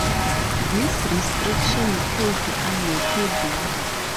These restrictions proved unworkable.